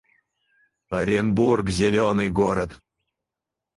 Оренбург — зелёный город